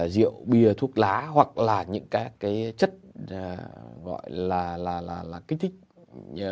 rượu bia thuốc lá hoặc là những các cái chất gọi là kích thích